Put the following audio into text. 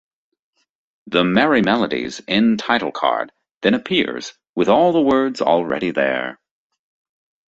The "Merrie Melodies" end title card then appears with all the words already there.